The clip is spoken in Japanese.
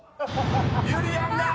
［ゆりやんが］